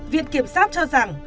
viện kiểm soát cho rằng